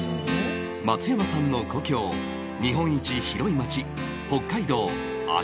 松山さんの故郷日本一広い町北海道足寄町